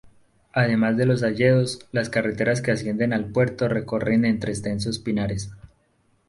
Además de los hayedos, las carreteras que ascienden al puerto recorren entre extensos pinares.